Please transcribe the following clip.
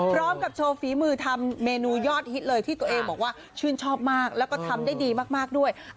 พร้อมกับโชว์ฝีมือทำเมนูยอดฮิตเลยที่ตัวเองบอกว่าชื่นชอบมากแล้วก็ทำได้ดีมากด้วย